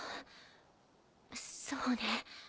そうね。